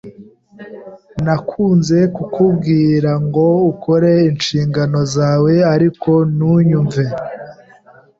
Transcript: [S] Nakunze kukubwira ngo ukore inshingano zawe, ariko ntunyumve.